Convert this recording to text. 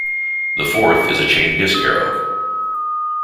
The fourth is a chain disk harrow.